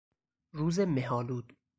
روز مهآلود